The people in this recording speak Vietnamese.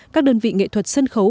các đơn vị nghệ thuật sân khấu